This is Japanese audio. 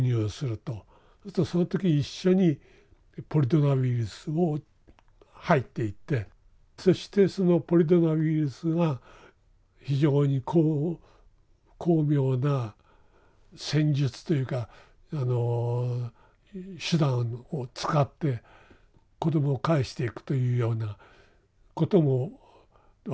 その時一緒にポリドナウイルスも入っていってそしてそのポリドナウイルスが非常に巧妙な戦術というか手段を使って子どもをかえしていくというようなことも分かってきたっていうか。